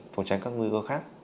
phòng tránh các nguy cơ khác